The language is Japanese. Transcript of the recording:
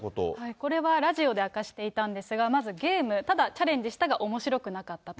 これはラジオで明かしていたんですが、まずゲーム、ただチャレンジしたがおもしろくなかったと。